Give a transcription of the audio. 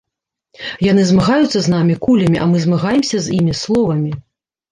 Яны змагаюцца з намі кулямі, а мы змагаемся з імі словамі.